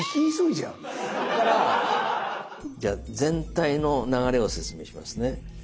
じゃあ全体の流れを説明しますね。